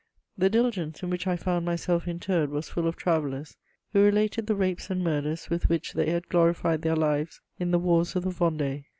The diligence in which I found myself interred was full of travellers who related the rapes and murders with which they had glorified their lives in the wars of the Vendée.